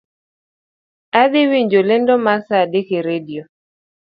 Adhii winjo lendo mar saa adek e radio